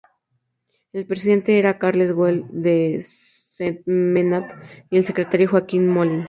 El presidente era Carles Güell de Sentmenat y el secretario Joaquim Molins.